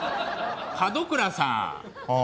門倉さん。